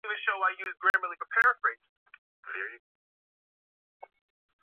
Nimekuja mepama leo ndo nisikilize